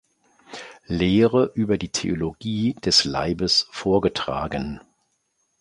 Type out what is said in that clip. Lehre über die Theologie des Leibes vorgetragen.